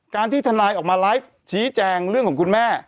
ที่ทนายออกมาไลฟ์ชี้แจงเรื่องของคุณแม่